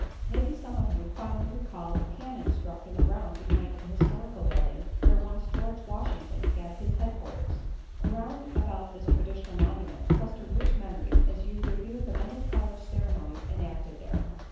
Maybe some of you fondly recall a cannon stuck in the ground behind a historical building where once George Washington had his headquarters. Around about this traditional monument cluster rich memories as you review the many college ceremonies enacted there.